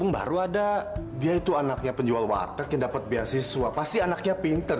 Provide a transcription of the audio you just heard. baru ada dia itu anaknya penjual warteg yang dapat beasiswa pasti anaknya pinter